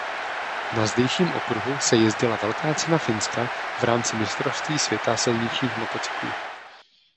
Na zdejším okruhu se jezdila Velká cena Finska v rámci mistrovství světa silničních motocyklů.